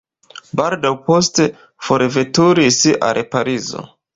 Baldaŭ poste forveturis al Parizo.